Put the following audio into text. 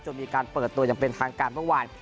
มีการเปิดตัวอย่างเป็นทางการเมื่อวาน